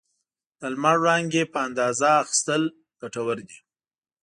د لمر وړانګې په اندازه اخیستل ګټور دي.